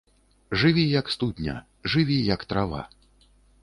Жыві як студня, жыві як трава.